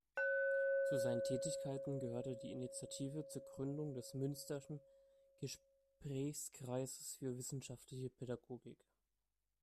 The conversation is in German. Zu seinen Tätigkeiten gehörte die Initiative zur Gründung des Münsterschen Gesprächskreises für wissenschaftliche Pädagogik.